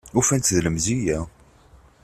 Ufan-tt d lemziyya